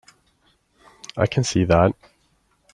I can see that.